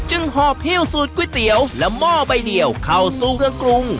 หอบหิ้วสูตรก๋วยเตี๋ยวและหม้อใบเดียวเข้าสู่เครื่องกรุง